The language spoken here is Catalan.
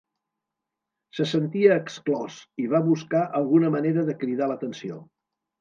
Se sentia exclòs i va buscar alguna manera de cridar l'atenció.